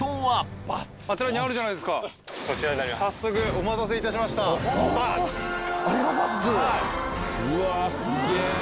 はい。